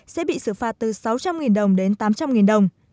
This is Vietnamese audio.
sẽ bị xử phạt từ sáu trăm linh đồng đến tám trăm linh đồng